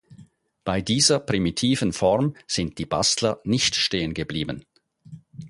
Bei dieser primitiven Form sind die Bastler nicht stehengeblieben.